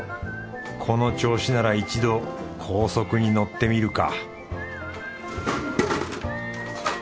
この調子なら一度高速に乗ってみるか